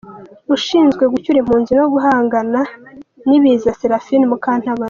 ushinzwe gucyura impunzi no guhangana n’ibiza Séraphine Mukantabana.